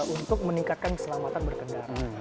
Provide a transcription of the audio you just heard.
untuk meningkatkan keselamatan berkendara